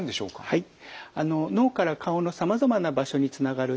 はい。